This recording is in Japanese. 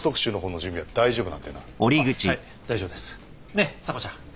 ねっ査子ちゃん。